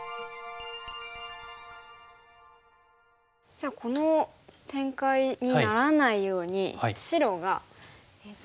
じゃあこの展開にならないように白が４手目で。